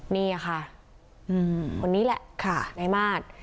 นี่ค่ะคนนี้แหละค่ะในมาตร